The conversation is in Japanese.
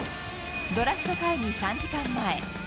ドラフト会議３時間前。